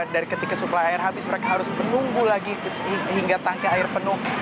dari ketika suplai air habis mereka harus menunggu lagi hingga tangki air penuh